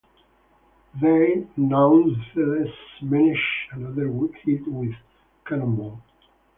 They nonetheless managed another hit with "Cannonball".